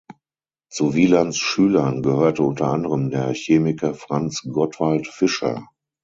Zu Wielands Schülern gehörte unter anderem der Chemiker Franz Gottwalt Fischer.